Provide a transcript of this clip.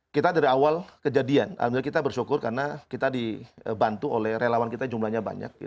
kita dari awal kejadian kita bersyukur karena kita dibantu oleh relawan kita jumlahnya banyak